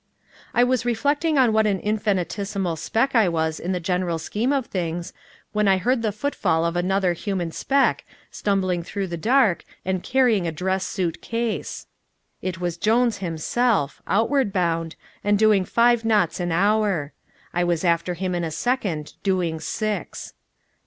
I was reflecting on what an infinitesimal speck I was in the general scheme of things, when I heard the footfall of another human speck, stumbling through the dark and carrying a dress suit case. It was Jones himself, outward bound, and doing five knots an hour. I was after him in a second, doing six.